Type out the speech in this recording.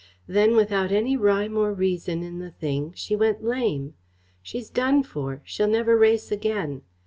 Then, without any rhyme or reason in the thing, she went lame. She's done for. She'll never race again.